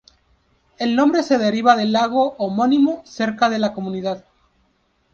El nombre se deriva del lago homónimo cerca de la comunidad.